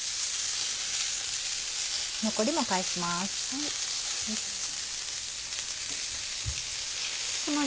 残りも返します。